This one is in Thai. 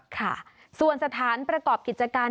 ค่ะส่วนสถานประกอบกิจการ